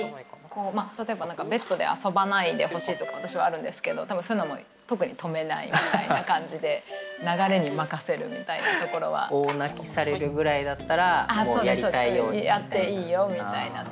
こうまあ例えばベッドで遊ばないでほしいとか私はあるんですけど多分そういうのも特に止めないみたいな感じで流れに任せるみたいなところは。とか思っちゃったりとかしたらそう。